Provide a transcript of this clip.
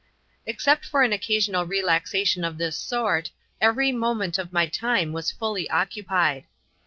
Except for an occasional relaxation of this sort, every moment of my time was fully occupied.